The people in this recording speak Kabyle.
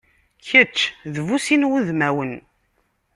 Kečč d bu sin wudmanwen.